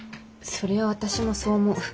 それは私もそう思う。